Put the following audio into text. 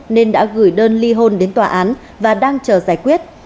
nên đã gửi đơn ly hôn đến tòa án và đang chờ giải quyết